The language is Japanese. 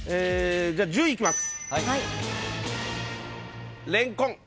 じゃあ１０いきます。